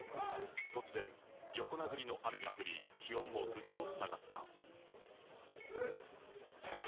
突然、横殴りの雨が降り、気温もぐっと下がった。